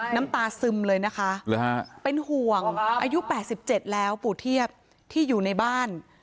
น้ำตาซึมเลยนะคะเป็นห่วงอายุ๘๗แล้วปู่เทียบที่อยู่ในบ้าน